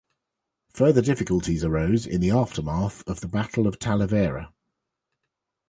Further difficulties arose in the aftermath of the Battle of Talavera.